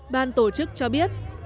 bàn tổ chức cho biết